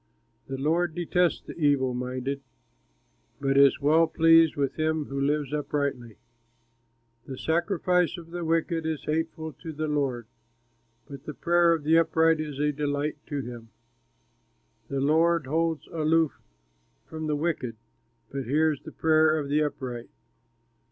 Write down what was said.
The Lord detests the evil minded, But is well pleased with him who lives uprightly. The sacrifice of the wicked is hateful to the Lord, But the prayer of the upright is a delight to him! The Lord holds aloof from the wicked, But hears the prayer of the upright.